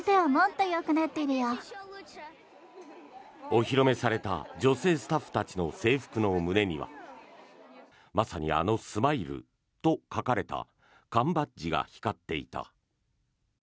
お披露目された女性スタッフたちの制服の胸には「まさにあのスマイル」と書かれた缶バッジが光っていた。